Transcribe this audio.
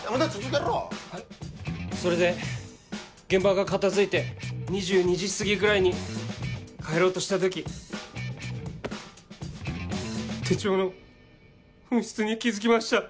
それで現場が片付いて２２時すぎぐらいに帰ろうとした時手帳の紛失に気付きました。